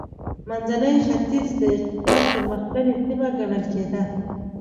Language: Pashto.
منځنی ختیځ د اقتصاد پرمختللې سیمه ګڼل کېده.